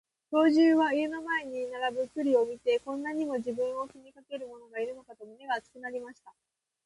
兵十は家の前に並ぶ栗を見て、こんなにも自分を気にかける者がいるのかと胸が熱くなりました。